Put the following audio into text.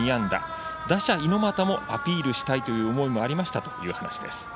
打者、猪俣もアピールしたいという思いもありましたという話です。